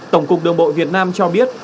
tổng cục đường bộ việt nam cho biết